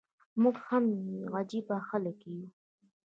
موږ هم عجبه خلک يو.